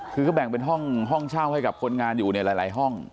คือเขาแบ่งเป็นห้องเช่าให้กับคนงานอยู่ในหลายห้อง